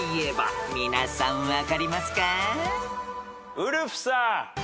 ウルフさん。